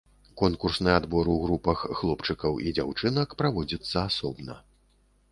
Конкурсны адбор у групах хлопчыкаў і дзяўчынак праводзіцца асобна.